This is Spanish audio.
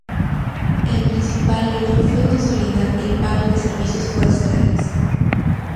El principal logro fue consolidar el pago de servicios forestales.